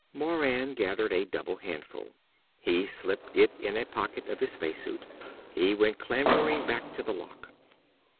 Moran gathered a double handful. He slipped it in a pocket of his space suit. He went clambering back to the lock.